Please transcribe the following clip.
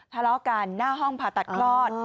ทะเลาะกันหน้าห้องผ่าตัดคลอด